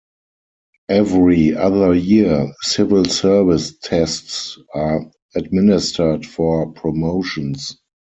Every other year, civil service tests are administered for promotions.